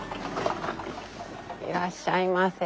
いらっしゃいませ。